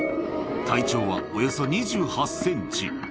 体長はおよそ２８センチ。